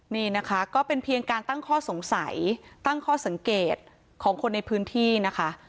นี่นะคะก็เป็นเพียงการตั้งข้อสงสัยตั้งข้อสังเกตของคนในพื้นที่นะคะ